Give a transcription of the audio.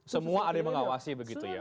semua ada yang mengawasi begitu ya